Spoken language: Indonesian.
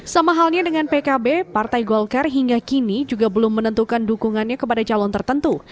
sama halnya dengan pkb partai golkar hingga kini juga belum menentukan dukungannya kepada calon tertentu